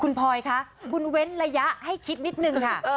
คุณพลอยคะคุณเว้นระยะให้คิดนิดนึงค่ะ